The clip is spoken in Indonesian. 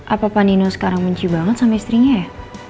apa pandino sekarang munci banget sama istrinya ya